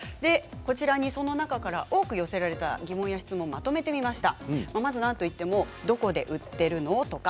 その中から多く寄せられた疑問や質問をまとめてみました。